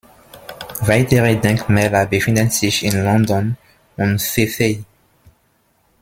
Weitere Denkmäler befinden sich in London und Vevey.